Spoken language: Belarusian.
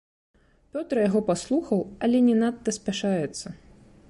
Пётра яго паслухаў, але не надта спяшаецца.